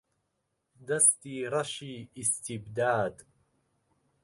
دەستی ڕەشی ئیستیبداد